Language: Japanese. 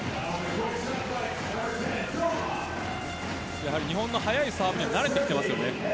やはり日本の速いサーブには慣れてきています。